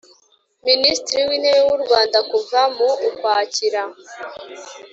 minisitiri w'intebe w'u rwanda kuva mu ukwakira